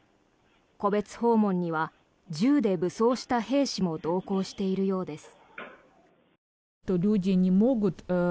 戸別訪問には銃で武装した兵士も同行しているようです。